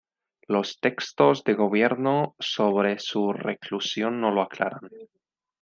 Los textos de gobierno sobre su reclusión no lo aclaran.